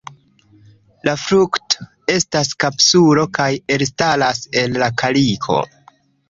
La frukto estas kapsulo kaj elstaras el la kaliko.